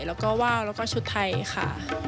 แล้วก็ว่าวแล้วก็ชุดไทยค่ะ